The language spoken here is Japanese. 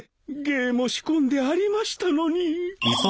芸も仕込んでありましたのに。